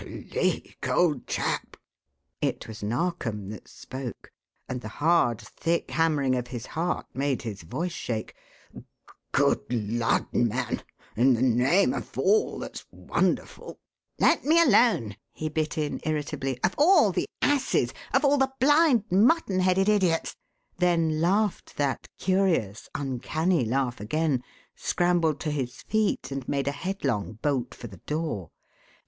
"Cleek, old chap!" It was Narkom that spoke, and the hard, thick hammering of his heart made his voice shake. "Good lud, man! in the name of all that's wonderful " "Let me alone!" he bit in, irritably. "Of all the asses! Of all the blind, mutton headed idiots!" then laughed that curious, uncanny laugh again, scrambled to his feet and made a headlong bolt for the door.